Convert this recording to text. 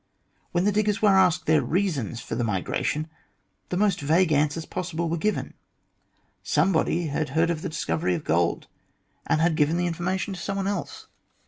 When the diggers were asked their reasons for the migration, the most vague answers possible were given : somebody had heard of the discovery of gold, and had given the information to some one else.